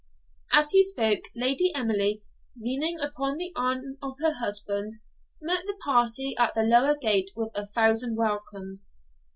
As he spoke, Lady Emily, leaning upon the arm of her husband, met the party at the lower gate with a thousand welcomes.